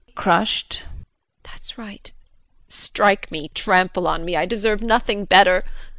JULIE [Crushed]. That is right, strike me, trample on me, I deserve nothing better.